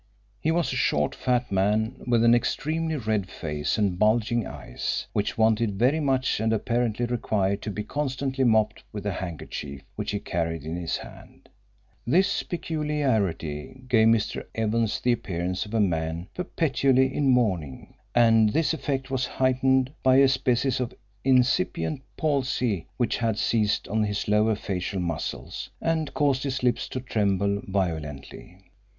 He was a short fat man, with an extremely red face and bulging eyes, which watered very much and apparently required to be constantly mopped with a handkerchief which he carried in his hand. This peculiarity gave Mr. Evans the appearance of a man perpetually in mourning, and this effect was heightened by a species of incipient palsy which had seized on his lower facial muscles, and caused his lips to tremble violently.